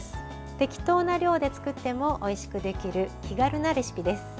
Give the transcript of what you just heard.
適当な量で作ってもおいしくできる気軽なレシピです。